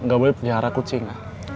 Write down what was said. ga boleh pelihara kucing